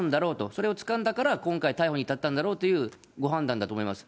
それをつかんだから今回、逮捕に至ったんだろうというご判断だと思います。